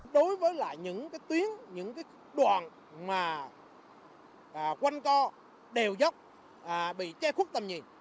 đối với những tuyến những đoạn quanh co đều dốc bị che khuất tầm nhìn